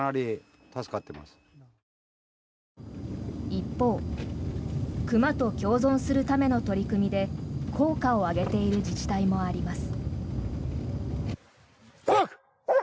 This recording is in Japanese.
一方熊と共存するための取り組みで効果を上げている自治体もあります。